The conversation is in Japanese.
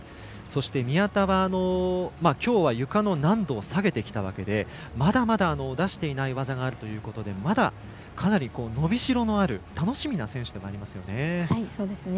宮田は、きょうはゆかの難度を下げてきたわけでまだまだ出していない技があるということでまだ、かなり伸びしろのある楽しみな選手でもありますよね。